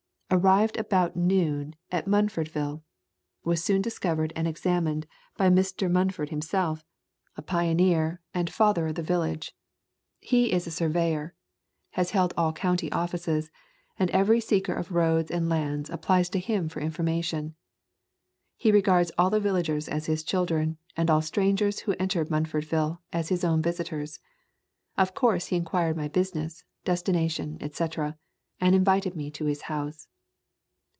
i Arrived about noon at Munfordville; was soon discovered and examined by Mr. Mun A Thousand Mile Walk ford himself, a pioneer and father of the village. He is a surveyor — has held all country offices, and every seeker of roads and lands applies to him for information. He regards all the vil lagers as his children, and all strangers who en ter Munfordville as his own visitors. Of course he inquired my business, destination, et cetera, and invited me to his house.